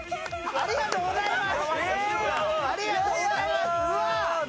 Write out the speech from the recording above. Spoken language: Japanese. ありがとうございます！